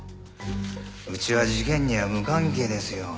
うちは事件には無関係ですよ。